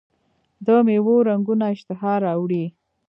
د میوو رنګونه اشتها راوړي.